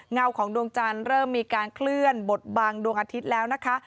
เงาของดวงจันทร์เริ่มมีการเคลื่อนบทบังดวงอาทิตย์แล้วนะคะ